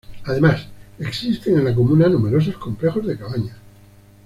Además existen en la comuna numerosos complejos de cabañas.